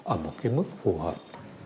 ở một cái mức phù hợp